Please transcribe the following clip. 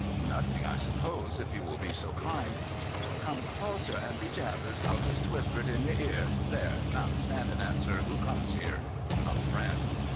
"Nothing, I suppose, if you will be so kind." "Come closer, and, be jabers! I'll just whisper it in your ear. There! Now stand and answer. Who comes here?" "A friend."